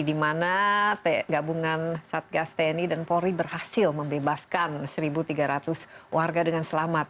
di mana gabungan satgas tni dan polri berhasil membebaskan satu tiga ratus warga dengan selamat